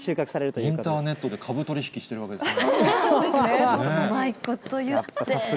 インターネットで株取引してるわけですね。